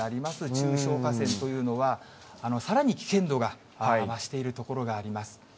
中小河川というのはさらに危険度が増している所があります。